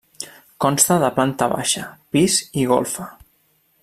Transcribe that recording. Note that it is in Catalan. Consta de planta baixa, pis i golfa.